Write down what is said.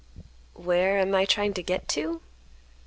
"Where am I trying to get to?"